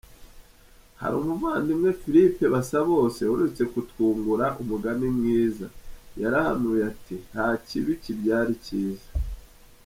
Hari umuvandimwe Philippe Basabose uherutse kutwungura umugani mwiza, yarahanuye ati ” nta kibi kibyara icyiza”.